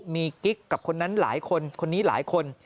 มีกิ๊กกับคนนั้นหลายคนคนนี้หลายคน